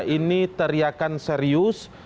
ini teriakan serius